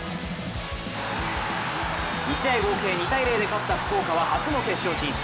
２試合合計２−０で勝った福岡は初の決勝進出。